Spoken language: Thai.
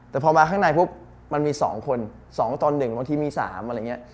แต่พอมาข้างในปุ๊บมันมี๒คน๒ตอน๑บางทีมี๓อะไรอย่างนี้